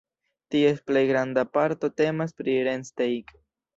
Ties plej granda parto temas pri Rennsteig.